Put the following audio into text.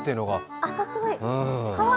あざとい。